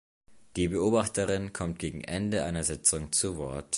Die Beobachterin kommt gegen Ende einer Sitzung zu Wort.